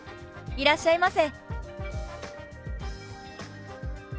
いらっしゃいませ」。